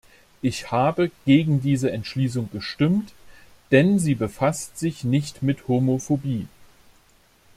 Ich habe gegen diese Entschließung gestimmt, denn sie befasst sich nicht mit Homophobie.